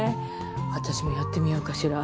私もやってみようかしら。